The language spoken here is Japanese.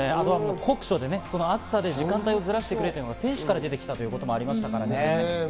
酷暑で、暑さで時間帯をずらしてくれという声が選手から出てきましたからね。